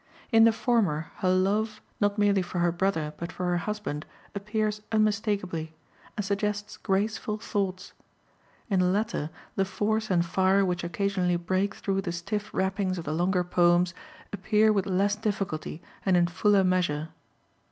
In the former her love, not merely for her brother, but for her husband, appears unmistakably, and suggests graceful thoughts. In the latter the force and fire which occasionally break through the stiff wrappings of the longer poems appear with less difficulty and in fuller measure.